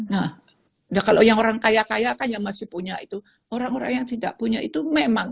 nah kalau yang orang kaya kaya kan yang masih punya itu orang orang yang tidak punya itu memang